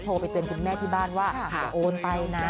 ไปเตือนคุณแม่ที่บ้านว่าจะโอนไปนะ